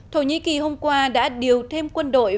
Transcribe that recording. thổ nhĩ kỳ hôm qua đã điều thêm quân đội